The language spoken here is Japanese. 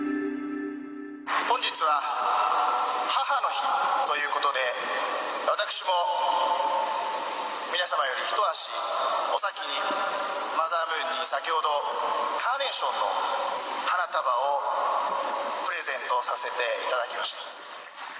本日は、母の日ということで、私も皆様より一足お先に、マザームーンに先ほど、カーネーションの花束をプレゼントさせていただきました。